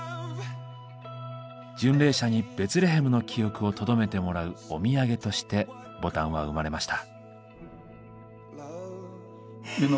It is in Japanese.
巡礼者にベツレヘムの記憶をとどめてもらうお土産としてボタンは生まれました。